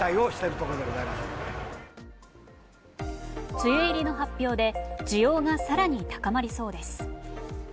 梅雨入りの発表で需要が更に高まりそうです。